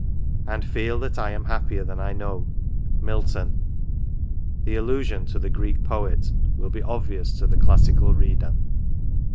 " And feel that I am happier than I know." — Milton. The allusion to the Greek Poet will be obvious to the classical reader.